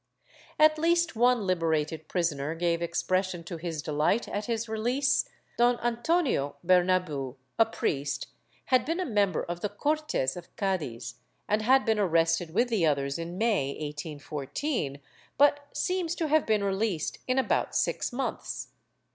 At least one liberated prisoner gave expression to his delight at his release. Don Antonio Bernabeu, a priest, had been a member of the Cortes of Cc4diz and had been arrested with the others in May, 1814, but seems to have been released in about six months.